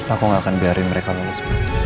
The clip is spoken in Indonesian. aku nggak akan biarin mereka lulus